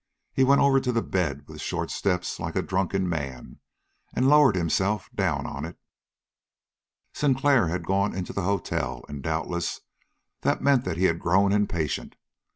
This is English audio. He went over to the bed, with short steps like a drunken man, and lowered himself down on it. Sinclair had gone into the hotel, and doubtless that meant that he had grown impatient.